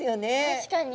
確かに。